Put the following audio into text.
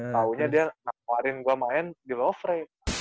taunya dia ngawarin gue main di lofre